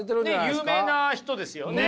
有名な人ですよね。